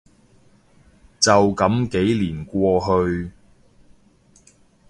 就噉幾年過去